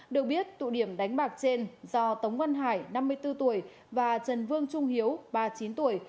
được biết tụ điểm đánh bạc trên do tống văn hải năm mươi bốn tuổi và trần vương trung hiếu ba mươi chín tuổi